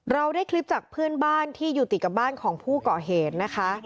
เราได้คลิปจากเพื่อนบ้านที่อยู่ติดกับบ้านของผู้ก่อเหตุนะคะ